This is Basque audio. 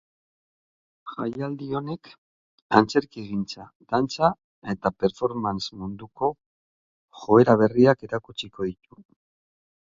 Jaialdi honek antzerkigintza, dantza eta performance munduko joera berriak erakutsiko ditu.